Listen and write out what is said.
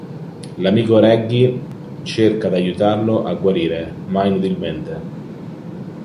L'amico Reggie cerca d'aiutarlo a guarire, ma inutilmente.